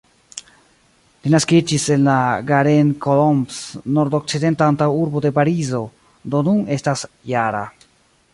Li naskiĝis en La Garenne-Colombes, nordokcidenta antaŭurbo de Parizo, do nun estas -jara.